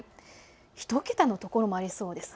１桁の所もありそうです。